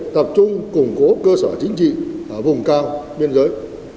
tập trung củng cố cơ sở chính trị ở vùng cao biên giới